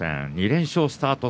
２連勝スタート